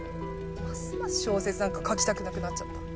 ますます小説なんか書きたくなくなっちゃった。